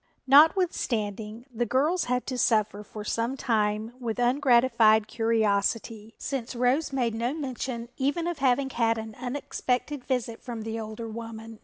Notwithstanding, the girls had to suffer for some time with ungratified curiosity, since Rose made no mention even of having had an unexpected visit from the older woman.